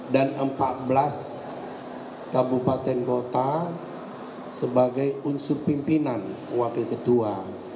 empat belas kabupaten kota sebagai unsur pimpinan wakil ketua